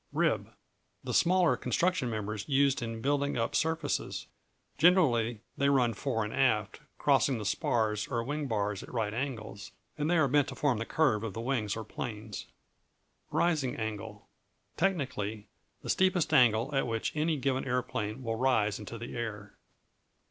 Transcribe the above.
Rib The smaller construction members used in building up surfaces. Generally they run fore and aft, crossing the spars or wing bars at right angles, and they are bent to form the curve of the wings or planes. Rising Angle Technically, the steepest angle at which any given aeroplane will rise into the air.